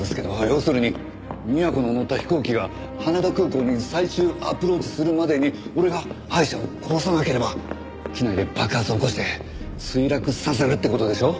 要するに美和子の乗った飛行機が羽田空港に最終アプローチするまでに俺がアイシャを殺さなければ機内で爆発を起こして墜落させるって事でしょ。